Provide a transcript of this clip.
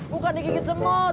bukan di gigit semut